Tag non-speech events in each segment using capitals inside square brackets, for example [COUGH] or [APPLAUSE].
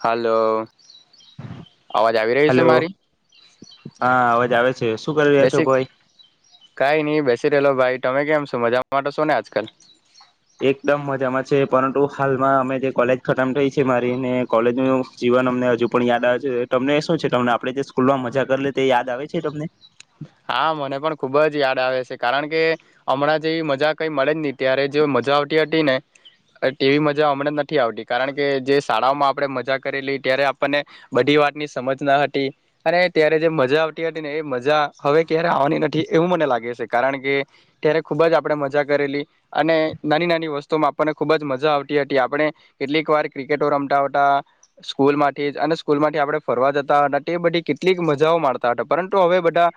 Hello અવાજ આવી રહી છે મારી. જાવેશ છે, સુ કરી રહ્યા છો ભાઈ? રેલો ભાઈ ટમે કેમ છો? મજામાં ટો છો ને આજકાલ? એકદમ મજામાં છે, પરંટુ હાલમાં અમે જે કોલેજ ખતમ થઈ છે મારી, ને કોલેજનું જીવન અમને હજુ પણ યાદ આવે છે, ટમને શું છે? ટમને આપણે જે સ્કૂલમાં મજા કરલી તે યાદ આવે છે તમને? હા, મને પણ ખુબ જ યાડ આવે છે કારણ કે અમણાં જેવી મજા કઈ મળે જ ની, ત્યારે જે મજા આવતી હતી ને અ ટેવી મજા હમણાં ન નથી આવટી કારણ કે જે સાળાઓમાં આપણે મજા કરેલી, ટયારે આપણને બધી વાતની સમજ ન હટી અને ત્યારે જે મજા આવટી હટી ને એ મજા હવે ક્યારે આવવાની નથી એવું મને લાગે છે. કારણ કે ત્યારે ખુબ જ આપણે મજા કરેલી, અને નાની નાની વસ્તુમાં આપણને ખુબ જ મજા આવટી હટી. આપણે કેટલીક વાર ક્રિકેટો રમટા વ ટા, સ્કૂલમાંથી જ અને સ્કૂલ માંથી આપણે ફરવા જટા હટા તે બધી કેટલીક મજાઓ માણટા હટા પરંતુ હવે બધા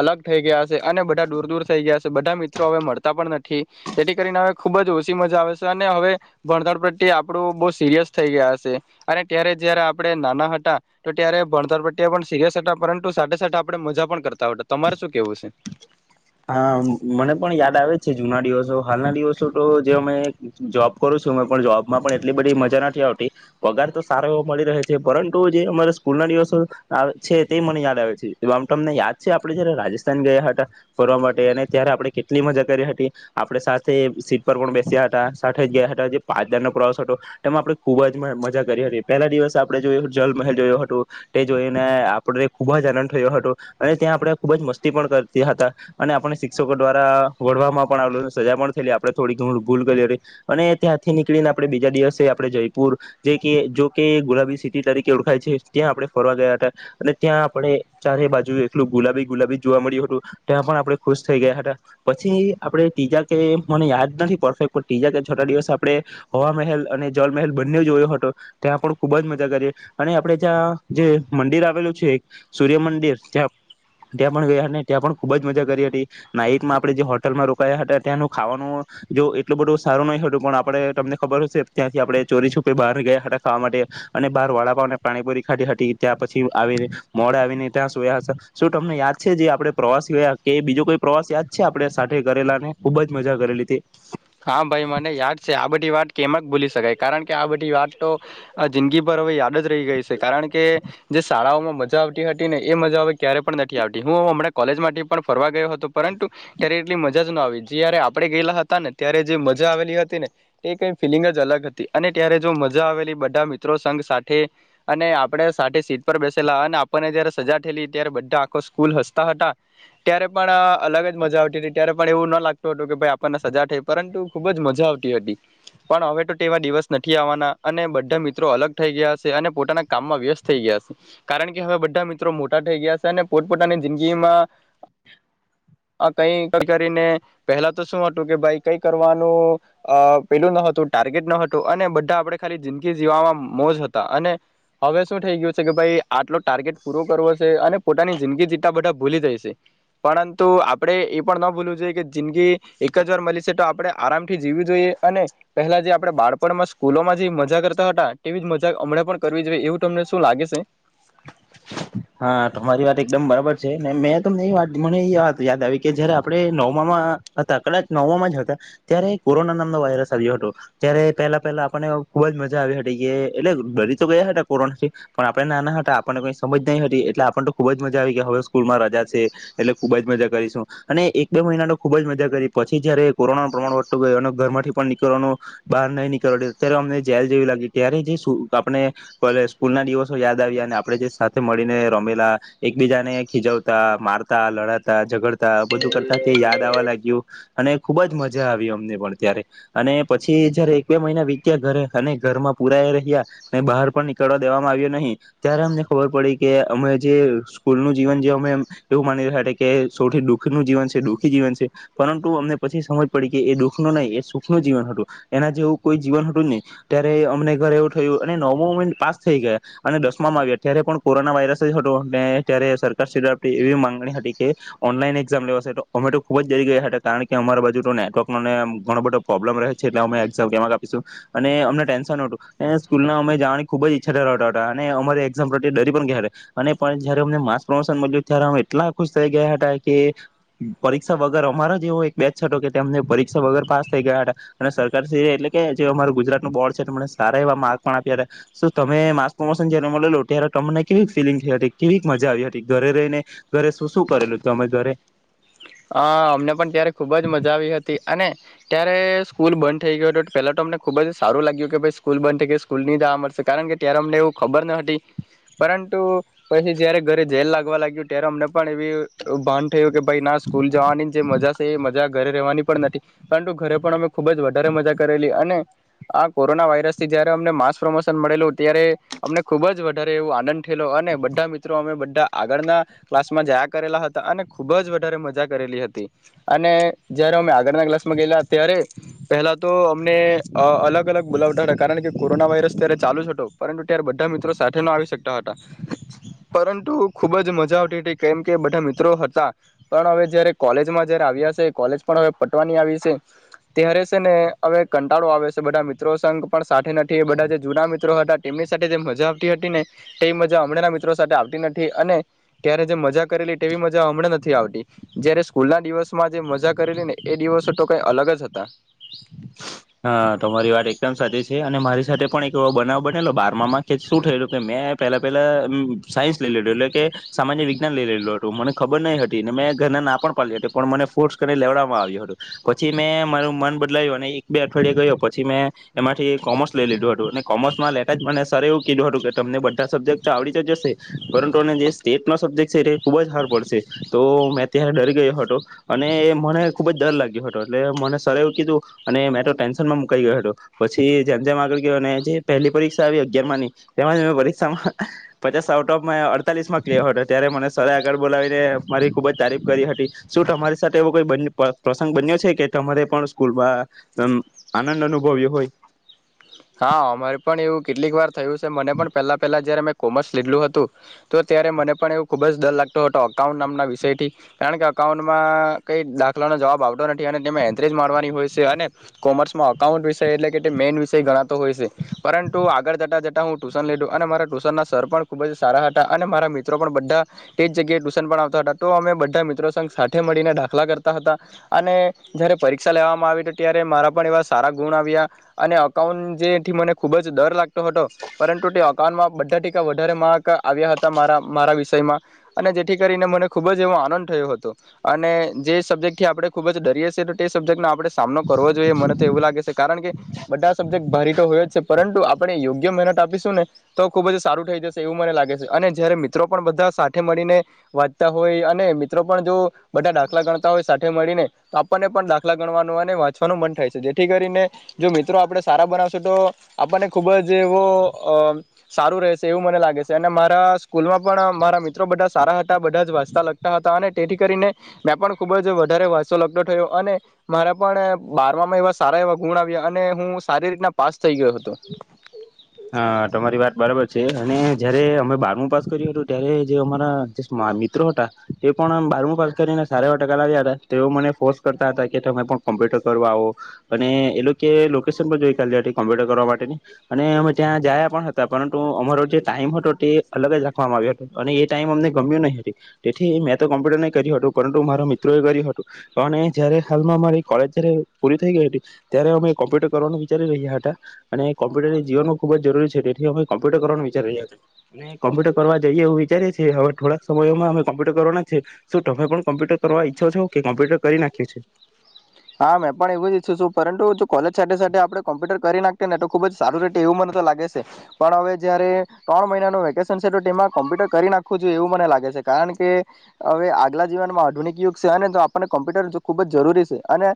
અલગ થઈ ગયા હસે અને બધા દૂર દૂર થઈ ગયા હસે બધા મિત્રો હવે મળતા પણ નથી, તેથી કરીને હવે ખુબ જ ઓછી મજા આવે છે અને હવે ભણતર પ્રત્ય આપડું બહુ સિરિયસ થઈ ગયા હસે અને ત્યારે જયારે આપડણે નાના હટા ટો ત્યારે ભણટર પ્રત્ય આપણે સિરિયસ હતા પરંતુ સાથે સાથે આપણે મજા પણ કરતા [UNINTELLIGIBLE] તમારે શું કેવું છે? હા મને પણ યાદ આવે છે જૂના દિવસો. હાલના દિવસો તો જે અમે જોબ કરું છું અ પણ જોબમાં પણ એટલી બધી મજા નથી આવટી, પગાર તો સારો એવો મળી રહે છે પરંતુ જે અમારે સ્કૂલ ના દિવસો છે તે મને યાદ આવે છે આમ, તમને યાદ છે આપડે જયારે રાજસ્થાન ગયા હતા? ફરવા માટે. અને ત્યારે આપણે કેટલી મજા કરી હતી! આપણે સાથે સીટ પર પણ બેસ્યા હતા, સાથે જ ગયા હતા. જે પારનો પ્રવાસ હતો એમાં આપણે ખૂબ જ મજા કરી હતી. પહેલા દિવસે આપણે જોયું જલમહેલ જોયયો હટો, ટે જોઈને આપણે ખૂબ જ આનંદ ઠયો હટો. અને ત્યાં આપણે ખૂબ જ મસ્તી પણ કરટા હટા. અને આપણને સિકસકો દ્વારા વઢવામાં પણ આવેલ, સજા પણ થયલી આપણે થોડી ધૂલ, ભૂલ કરી એની. ત્યાંથી નીકળીને આપણે બીજા દિવસે આપણે જયપુર જે કે, જો કે ગુલાબી સિટી તરીકે ઓળખાય છે, ત્યાં આપણે ફરવા ગયા હતા. અને ત્યાં આપણે ચારે બાજુ એકલું ગુલાબી ગુલાબી જ જોવા મળ્યું હતું. ત્યાં પણ આપણે ખુસ થઈ ગયા હટા. પછી આપણે ત્રીજા કે મને યાદ નથી પરફેક્ટ, પણ ત્રીજા કે છટા દિવસે, આપણે, હવા મહેલ અને જલ મહેલ બંનેઉ જોયો હતો. ત્યાં પણ ખુબ જ મજા કરીએ. અને આપણે જ્યાં જે મંદિર આવેલું છે સૂર્યમંદિર, ત્યાં ત્યાં પણ ગયા ને ત્યાં પણ ખુબ જ મજા કરી હતી. નાઈટમાં આપણે જે હોટલમાં રોકાયા હતા ત્યાંનું ખાવાનું જો એટલું બધું સારું નહી હટુ, પણ આપણે તમને ખબર હસે ત્યાંથી આપણે ચોરી છૂપે બહાર ગયા હતા ખાવા માટે, અને બહાર વાડાપાવને પાણીપુરી ખાઢી હતી ત્યાં પછી આવીને મોડા આવીને ત્યાં સોયા સા. સુ તમને યાદ છે જે આપણે પ્રવાસી ગયા કે બીજો કોઈ પ્રવાસ યાદ છે આપડે સાથે કરેલા ને ખુબ જ મજા કરેલી તે? કેમક ભૂલી સકાય કારણ કે આ બધી વાત તો આ જિંદગીભર હવે યાદ જ રહી ગઈ સે, કારણ કે જે શાળાઓમાં મજા આવટી હટી ને એ મજા હવે ક્યારે પણ નથી આવટી. હું હમણાં કોલેજ માટે પણ ફરવા ગયો હતો પરંતુ ત્યારે એટલી મજા જ ન આવી, જ્યારે આપણે ગયેલા હતા ને ત્યારે જે મજા આવેલી હતી ને એ કઈ ફિલિંગ જ અલગ હતી અને ત્યારે જો મજા આવેલી બધા મિત્રો સંઘ સાથે અને આપણે સાથે સીટ પર બેસેલા અને આપણને જ્યારે સજા ઠેલી ત્યારે બધા આખો સ્કૂલ હસતા હતા ત્યારે પણ અલગ જ મજા આવતી હતી ત્યારે પણ એવું ન લાગતું હતું કે ભાઈ આપણને સજા થઇ પરંતુ ખૂબ જ મજા આવટી હટી. પણ હવે ટો ટેવા ડીવસ નથી આવવાના અને બધા મિત્રો અલગ થઈ ગયા સે, અને પોતાના કામમાં વ્યસ્ત થઈ ગયા સે. કારણ કે હવે બધા મિત્રો મોટા થઈ ગયા સ અને પોટપોટાની જિંદગીમાં કઈ કઈ કરીને પહેલા તો સુ હટુ કે બાઈ કઈ કરવાનું અ પેલું ન હતું, ટાર્ગેટ ન હતું અને બધા આપણે ખાલી જિંદગી જીવવામાં મોજ હતા. અને હવે સુ થઈ ગયું છે કે, ભાઈ, આટલો ટાર્ગેટ પૂરો કરવો શે અને પોતાની જિંદગી જીવતા બધા ભૂલી જાયશે. પરંતુ આપડે એ પણ ન ભૂલવું જોઈએ કે જિંદગી એક જ વાર મલી છે તો આપણે આરામથી જીવવી જોઈએ અને પહેલા જે આપણે બાળપણમાં સ્કૂલોમાં જી મજા કરતા હટા ટેવી જ મજા હમડે પણ કરવી જોઈએ એવું તમને સુ લાગે સે? હા, તમારી વાત એકદમ બરાબર છે. ને મેં તમને એ વાત, મને એ વાત યાદ આવી કે જયારે આપણે નવમાં હતા કદાચ નવમામાં જ હતા, ત્યારે કોરોના નામનો વાયરસ આવ્યો હતો. ત્યારે પહેલા પહેલા આપણને ખુબ જ મજા આવી હટી કે એટલે ડરી તો ગયા હટા કોરોનાથી, પણ આપણે નાના હટા આપને કઈ સમજ નહિ હતી એટલે આપણ તો ખુબ જ મજા આવી કે હવે સ્કૂલમાં રજા છે. એટલે ખુબ જ મજા કરીશું, અને એક બે મહિનાનો ખુબ જ મજા કરી. પછી જયારે કોરોના ન પ્રમાણ વધતું ગયું, અને ઘર થી પણ નીકળવાનું, બહાર નહી નીકળવા, ત્યારે અમને જેલ જેવી લાગી ત્યારે જે સુ આપને પલે સ્કૂલ ના દિવસો યાદ આવ્યા અને આપણે જે સુ મળીને રમેલા, એકબીજા ને ખીજવતા, મારતા લડાતા, ઝઘડતા, બધું કરતા તે યાદ આવવા લાગ્યું. અને ખુબ જ મજા આવી, અમને પણ ત્યારે અને પછી જયારે એક બે મહિના વીત્યા ઘરે, અને ઘરમાં પુરાય રહ્યા, બહાર પણ નીકળવા દેવામાં આવ્યો નહી, ત્યારે અમને ખબર પડી કે, અમે જે સ્કૂલનું જીવન, જે અમે એવું માની રહ્યા હટા કે સૌથી ડુખનું જીવન છે, ડુખી જીવન છે, પરંટુ અમને પછી સમજ પડી કે એ ડુખનું નહીં, એ સુખનું જીવન હટુ. એના જેવું કોઈ જીવન હટુ જ ની. ત્યારે અમને ઘર એવું થયું, અને નવમુ એમ પાસ થઈ ગયા અને દસમામાં આવ્યા ત્યારે પણ કોરોના વાયરસ જ હટો એ ત્યારે સરકારશ્રી તરફથી એવી માંગણી હતી કે ઓનલાઈન એક્ઝામ લેવાસે ટો અમે ટો ખૂબ જ ડરી ગયા હતા કારણ કે અમારા બાજુ તો નેટવર્કનોને ઘણો બધો પોબ્લમ રહે છે એટલે અમે એક્ઝામ કેવાક આપીસુ અને અમને ટેન્શન નોટુ, એ સ્કૂલના અમે જવાની ખૂબ જ ઈચ્છા ધરાવતા હટા અને અમારે એક્ઝામ વખતે ડરી પણ ગયેલા અને પણ જયારે અમને માસ પ્રમોશન મળ્યું ત્યારે અમે એટલા ખુસ થઈ ગયા હતા કે પરીક્ષા વગર અમારા જ એવો એક બેચ હતો કે તેમને પરીક્ષા વગર પાસ થઈ ગયા હટા અને સરકારશ્રી એટલે કે જે અમારૂ ગુજરાત નું બોર્ડ છે, મને સારા એવા માર્ક પણ આપ્યા હતા, સુ તમે માસ પ્રમોશન જયારે મલેલુ ત્યારે તમને કેવી ફીલિંગ થઈ હતી? કેવી મજા આવી હતી? ઘરે રહીને, ઘરે શું શું કરેલું ત અમે ઘરે હ અમને પણ ત્યારે ખુબ જ મજા આવી હતી અને ત્યારે સ્કૂલ બંધ થઈ ગયો હટો પહેલા ટો અમને ખુબ જ સારું લાગ્યું કે ભઈ, સ્કૂલ બંધ થઈ ગઈ, સ્કૂલ ની જાવા મલસે કારણ કે ત્યારે અમને એવું ખબર ન હટી. પરંતુ પછી જયારે ઘરે જેલ લાગવા લાગ્યું ત્યારે અમને પણ એવી ભાન થયું કે ભાઈ ના સ્કુ સ્કૂલ જવાની જે મજા છે એ મજા ઘરે રહેવાની પણ નથી, પરંટુ ઘરે પણ અમે ખૂબ જ વધારે મજા કરેલી અને આ કોરોના વાયરસથી જયારે અમને માસ પ્રમોશન મળેલું ત્યારે અમને ખુબ જ ત્યારે એવો આનંદ ઠેલો અને બધા મિત્રો અમે બ આગળના ક્લાસમાં જયા કરેલા હતા અને ખુબ જ વધારે મા કરેલી હતી અને જયારે અમે આગળના ક્લાસમાં ગયેલા, ત્યારે પહેલા તો અમને અલગ અલગ બોલાવટાટા. કારણ કે કોરોના વાયરસ ત્યારે ચાલુ જ હટો, પરંટુ ત્યારે બધા મિત્રો સાથે ન આવી સ કટા હટા પરંટુ ખુબ જ મજા આવટી હટી કેમ કે બઢા મિત્રો હતા. પણ હવે જય્યારે કોલેજમાં જય્યારે આવ્યા છે કોલેજ પણ હવે પટવાની આવી છે ત્યારે છે ને હવે કંટાળો આવે છે બધા મિત્રો સંઘ પણ સાથે નથી બધા જે જૂના મિત્રો હતા તેમની સાથે જે મજા આવતી હતી ને તેવી મજા હમણાં મિત્રો સાથે આવતી નથી અને ત્યારે જે મજા કરેલી તેવી મજા હમણાં નથી આવતી. જયારે સ્કૂલના દિવસમાં જે મજા કરેલી ને એ દિવસો તો કઈ અલગ જ હતા. હા, તમારી વાટ એકડમ સાચી છે, અને મારી સાથે પણ એક એવો બનાવ બનેલો બારમામાં કે સુ ઠયેલું કે મેં પેલા પેલા સાયન્સ લઇ લેધું એટલે કે સામાન્ય વિજ્ઞાન લઈ લેઇ લીઢેલુ હતું ને ખબર નઈ હતી ને મેં ઘરના ના પણ પાડલી હતી પણ મને ફોર્સ કરીન લેવડવામાં આવ્યું હટુ પછી મેં મારું મન બદલાયું અને એક બે અઠવાડિયા ગયો પછી મેં એમાંથી કોમર્સ લઈ લીધું હટુ અને કોમર્સમાં લેતા જ મને સર એવું કીઢૂં હટુ કે તમને બ સબ્જેક્ટ તો આવડી તો જસે પરંતુ અને જે સ્ટેટ નો સબ્જેક્ટ ખુબ જ હાર્ડ પડશે તો મેં ત્યારે ડરી ગયો હતો અને એ મને ખુબ જ ડર લાગ્યો હતો એટલે મને સર એવું કીધું અને મેં તો ટેન્શનમાં મુકાઈ ગયો હતો પછી જેમ જેમ આગળ ગયો અને જે પહેલી પરીક્ષા આવી અગિયાર ની તેમાં મે પરીક્ષામાં પચાસ આઉટ ઓફ અડતાલીસ માં ક્યર હતો ત્યારે મને સર આગળ બોલાવીને મારી ખુબ જ તારીફ કરી હતી શું તમારી સાથે એવો કોઈ પ્રસંગ બન્યો છે કે તમારે પણ સ્કૂલમાં આનંદ અનુભવ્યો હોય. હા અમારે પણ એવું કેટલીક વાર થયું છે મને પણ પહેલા પહેલા જયારે મેં કોમર્સ લીધલું હતું તો ત્યારે મને પણ એવું ખૂબ જ ડર લાગતો હતો અકાઉન્ટ નામના વિષય થી કારણ કે અકાઉન્ટમાં કંઈ દાખલાનો જવાબ આવતો નથી અને તેને એન્ટ્રી જ માણવાની હોય છે અને કોમર્સમાં અકાઉન્ટ વિષય એટલે કે મેઈન વિષય ગણા હોય છે પરંતુ આગળ જતાં જતાં હું ટુશન લીધું અને મારા ટૂશનના સર પણ ખૂબ જ સારા હતા અને મારા મિત્રો પણ બધા તે જ જગ્યાએ ટુશન પણ આવતા હતા તો અમે બધા મિત્રો સઘ સાથે મળીને દાખલા કરતા હતા અને જ્યારે પરીક્ષા લેવામાં આવી હતી ત્યારે મારા પણ એવા સારા ગુણ આવ્યા અને અકાઉન્ટ જેથી મને ખુબ જ ડર લાગતો હતો પરંતુ તે અકાઉન્ટમાં બધા ટકા વધારે માર્ક આવ્યા હતા મારા મારા વિષયમાં અને જેથી કરીને મને ખૂબ જ એવો આનંદ થયો હતો અને જે સબ્જેક્ટ થી આપણે ખૂબ જ ડરીએ છીએ તો તે સબ્જેક્ટને આપણે સામનો કરવો જોઈએ મને તો એવું લાગે છે કારણ કે બધા સબ્જેક્ટ ભારી પરંતુ આપણે યોગ્ય મહેનત આપીશું ને તો ખુબ જ સારું થઈ જશે એવું મને લાગે છે અને જયારે મિત્રો પણ બધા સાથે મળીને વાંચતા હોય અને મિત્રો પણ જો બધા દાખલાણતા હોય મળીને તો આપણને પણ દાખલા ગણવાનો અને વાંચવાનું મન થાય છે જેથી કરીને જો મિત્રો આપણે સારા બનાવ તો આપણને ખૂબ જ એવો અ સારું રહેશે એવું મને લાગે છે અને મારા સ્કૂલમાં પણ મારા મિત્રો બધા સારા હતા બધા જ વાંચતા લગતા હતા અને તેથી કરીને મેં પણ ખૂબ જ વધારે વાચતો લખતો થયો અને મારા પણ બારમામાં એવા સારા એવા ગુણ આવ્યા અને હું સારી રીતના પાસ થઈ ગયો હતો હા તમારી વાત બરાબર છે અને જયારે અમે બારમું પાસ ત્યારે જે અરા મિત્રો હતા તે પણ બારમું પાસ કરીને સારા વા ટકા લ્યા હતા તે મને ફોર્સ કરતા હતા કે તમે પણ કોમ્પ્યુટર કરવા આવો અને એ લોકો લોકેશન પર જોઈ્યા કોમ્પ્યુટર કરવા માટેની અને એમજ ત્યાં જાયા પણ હતા પરંતુ અમારો જે ટાઈમ હતો તે અલગ જ રાખવામાં આવ્યો અને એ ટાઈમ અમને ગમ્યો નહી તેથી મેં તો કોમ્પ્યુટર ન કર્યું હતું પરંતુ મારા મિત્રો એ કર્યું હતું અને જયારે હાલમાં મારી કોલેજ જયારે પૂરી થઈ ગઈ હતી ત્યારે અમે કોમ્પ્યુટર કરવાનું વિચારી રહ્યા હતા અને કોમ્પ્યુટર એ જીવનનું ખૂબ જ જરૂરી છે જેથી અમે કોમ્પ્યુટર કરવાનું વિચારી રહ્યા હતા અને કોમ્પ્યુટર કરવા જઈએ એવ વિચારીીએ હવે થોડાક સમયમાં અમે કોમ્પ્યુટર કરવાના છે શું તમે પણ કોમ્પ્યુટર કરવા ઈચ્છો છો કે કોમ્પ્યુટર કરી નાખ્યું છે હા મેં પણ એવું જ ઈચ્છુ છું પરંતુ જો કોલેજ સાથે સાથે આપણે કોમ્પ્યુટર કરી નાખી ને તો ખુબ જ સારું રેતે એવું મને તો લાગે છે પણ હવે જયારે ત્રણ મહિનાનું વેકેશન છે તો તેમાં કોમ્પ્યુટર કરી નાખવું જોઈએ એવું મને લાગે છે કારણ કે હવે આ જીવનમાં આધુનિક યુગ છે હ ને તો આપણને કોમ્પ્યુટર ખુબ જરૂરી છે અને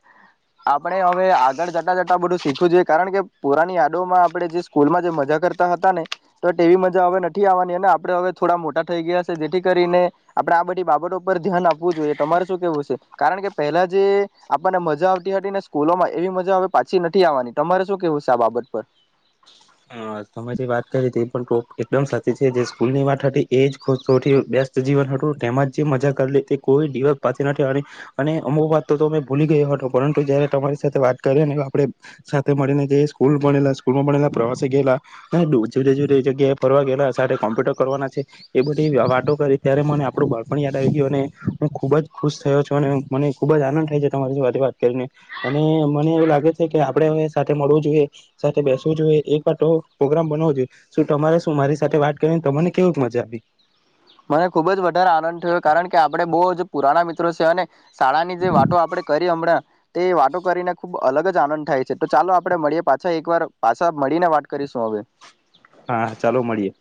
આપણે હવે આગળ જતા જતા બધું શીખવું જોઈએ કારણ કે પુરાની યાદોમાં આપણે જે સ્કૂલમાં જે મજા કરતા હતા ને તો તેવી મજા હવે નથી આવવાની અને આપણે હવે થોડા મોટા થઈ ગયા છે જેથી કરીને આપણે આ બધી બાબતો પર ધ્યાન આપવું જોઈએ તમારે શું કેવું છે કારણ કે પહેલા જે આપણને મજા આવતી હતી ને સ્કૂલોમાં એવી મજા હવે પાછી નથી આવવાની તમારે શું કેવું છે આ બાબત પર તમે જે વાત કરી તે પણ એકદમ સાચી છે જે સ્કૂલ ની વાત હતી એ જો બેસ્ટ જીવન હતું તેમાં જ જે મજા કરી લે તે કોઈ દિવસ પા નથી અને અમુક વાત તો અ ભૂલી ગયો હતો પરંતુ જયારે તમારી સાથે વાત કરી અને આપ સાથે મળીને જે સ્કૂલ ભણેલા સ્કૂલના પ્રવાસ જુ જે જે જગ્યા ફરવા ગેલા સાથે કોમ્પ્યુટર કરવાના છે એ બધી વાતો કરી ત્યારે મને આપણું બાળપણ યાદ આવી ગયું અને હું ખુબ જ ખુશ થયો છું અને મને ખુબ જ આનંદ થાય છે તમારી વાત કરીને અને મને એવું લાગે છે કે આપડે હવે સાથે મળવું જોઈએ સાથે બેસવું જોઈએ પણ તો પ્રોગ્રામ બનવો જોઈએ શું તમારે શું મારી સાથે વાત કરી તમાને કેવી જ મજા આપી મને ખુબ જ વધારે આનંદ થયો કારણ કે આપડે બહુ જ પુરાના મિત્રો છીએ અને શાળા ની જે વાતો આપડે કરી હમણાં તે વાતો કરીને ખુબ અલગ જ આનંદ થાય છે તો ચાલો આપણે મળીએ પાછા એક વાર પાછા મળીને વાત કરીશું હવે હા ચાલો મળીએે